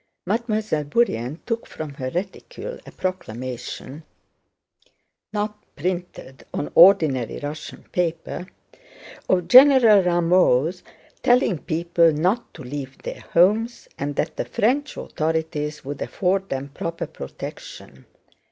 Mademoiselle Bourienne took from her reticule a proclamation (not printed on ordinary Russian paper) of General Rameau's, telling people not to leave their homes and that the French authorities would afford them proper protection.